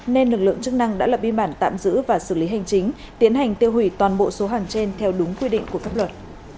nên lực lượng chức năng đã lập biên bản tạm giữ và xử lý hành chính tiến hành tiêu hủy toàn bộ số hàng trên theo đúng quy định của pháp luật